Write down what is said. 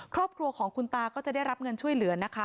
ครอบครัวของคุณตาก็จะได้รับเงินช่วยเหลือนะคะ